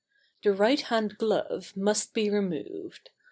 The right hand glove must be removed.